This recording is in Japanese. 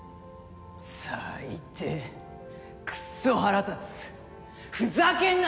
最低くそ腹立つふざけんな！